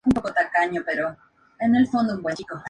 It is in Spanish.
Sus veranos los pasó en el campo de West Cork y Kerry.